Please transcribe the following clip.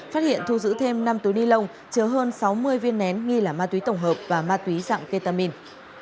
phát hiện thu giữ thêm năm túi ni lông chứa hơn sáu mươi viên nén nghi là ma túy tổng hợp và ma túy dạng ketamin